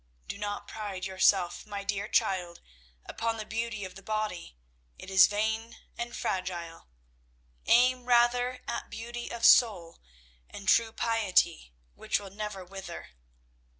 Do not pride yourself, my dear child, upon the beauty of the body. It is vain and fragile. Aim rather at beauty of soul and true piety, which will never wither."